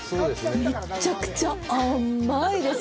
めっちゃくちゃ甘いです！